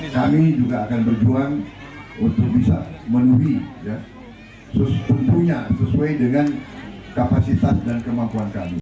kami juga akan berjuang untuk bisa menuhi sepupunya sesuai dengan kapasitas dan kemampuan kami